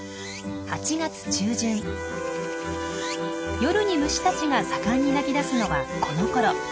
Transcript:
夜に虫たちが盛んに鳴き出すのはこのころ。